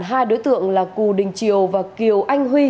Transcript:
hai đối tượng là cù đình triều và kiều anh huy